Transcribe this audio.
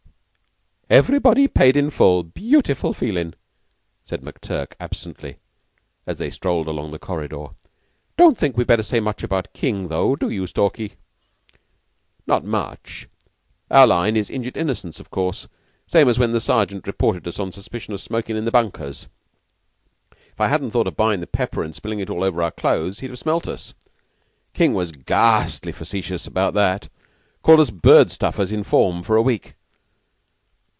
"Everybody paid in full beautiful feelin'," said McTurk absently, as they strolled along the corridor. "Don't think we'd better say much about King, though, do you, Stalky?" "Not much. Our line is injured innocence, of course same as when the Sergeant reported us on suspicion of smoking in the bunkers. If I hadn't thought of buyin' the pepper and spillin' it all over our clothes, he'd have smelt us. King was gha astly facetious about that. 'Called us bird stuffers in form for a week."